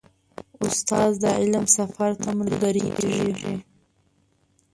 استاد د علم سفر ته ملګری کېږي.